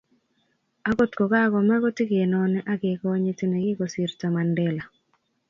akot kokakome kotikenoni ak kekonyiti nekikosirto, Mandela